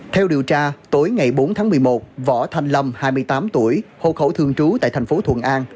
theo điều tra tối ngày bốn tháng một mươi một võ thanh lâm hai mươi tám tuổi hồ khẩu thường trú tại tp hcm